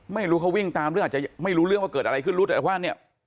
ไม่รู้เขาวิ่งตามหรืออาจจะไม่รู้เรื่องว่าเกิดอะไรขึ้นรู้แต่ว่าเนี่ย